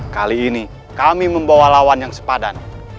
kali ini kami membawa lawan yang sepadan